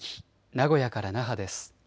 名古屋から那覇です。